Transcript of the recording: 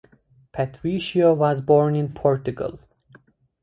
Patricio was born in Portugal.